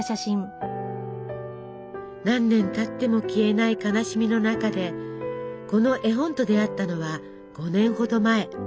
何年たっても消えない悲しみの中でこの絵本と出会ったのは５年ほど前。